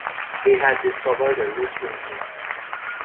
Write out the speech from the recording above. He had discovered a route to India.